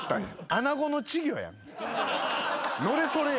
アナゴの稚魚や。